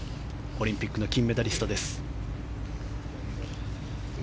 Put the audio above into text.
オリンピックの金メダリストです。